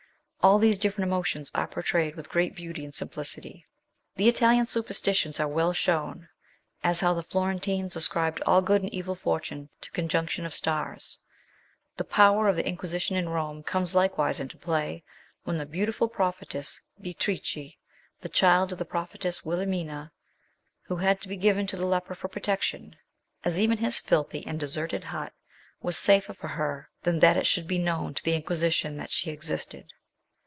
All these different emotions are pourtrayed with great beauty and simplicity. The Italian superstitions are well shown, as how the Florentines ascribed all good and evil fortune to con junction of stars. The power of the Inquisition in Rome comes likewise into play, when the beautiful pro phetess Beatrice (the child of the prophetess TVil helmina) who had to be given to the Leper for protection, as even his filthy and deserted hut was safer for her than that it should be known to the Inquisition that she existed.